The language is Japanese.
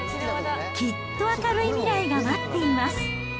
きっと明るい未来が待っています。